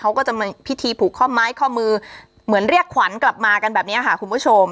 เขาก็จะมีพิธีผูกข้อไม้ข้อมือเหมือนเรียกขวัญกลับมากันแบบนี้ค่ะคุณผู้ชม